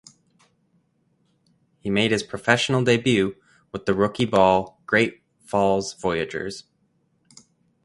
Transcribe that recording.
He made his professional debut with the rookie ball Great Falls Voyagers.